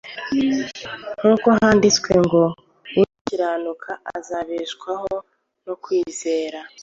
nk’uko byanditswe ngo “Ukiranuka azabeshwaho no kwizera!”